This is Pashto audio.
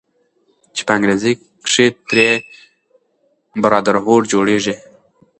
چې په انګريزۍ کښې ترې Brotherhood جوړيږي